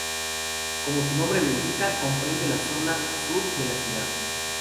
Como su nombre indica, comprende la zona sur de la ciudad.